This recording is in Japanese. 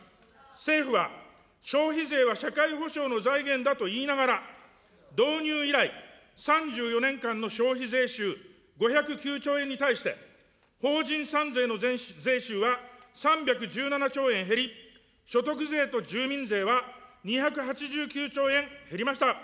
政府は、消費税は社会保障の財源だといいながら、導入以来、３４年間の消費税収５０９兆円に対して、法人３税の税収は３１７兆円減り、所得税と住民税は２８９兆円減りました。